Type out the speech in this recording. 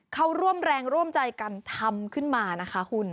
เขาร่วมแรงร่วมใจกันทำขึ้นมานะคะคุณ